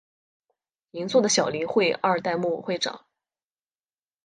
银座的小林会二代目会长。